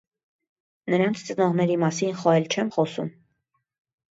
Նրանց ծնողների մասին խո էլ չեմ խոսում: